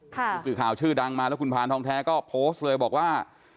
ผู้สื่อข่าวชื่อดังมาแล้วคุณพานทองแท้ก็โพสต์เลยบอกว่า